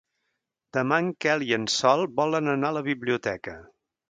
Demà en Quel i en Sol volen anar a la biblioteca.